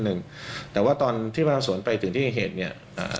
หนึ่งแต่ว่าตอนที่พระอศวรณไปถือที่เหตุเนี่ย